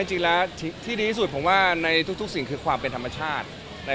ส่วนดียังไงที่ดีสุดในทุกสิ่งคือความเป็นธรรมชาติ